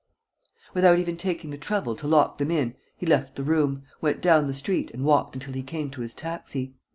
Without even taking the trouble to lock them in, he left the room, went down the street and walked until he came to his taxi.